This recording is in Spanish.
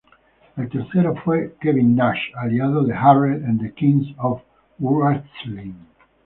El tercero fue Kevin Nash, aliado de Jarrett en The Kings of Wrestling.